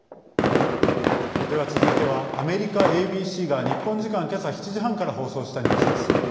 では続いてはアメリカＡＢＣが日本時間今朝７時半から放送したニュースです。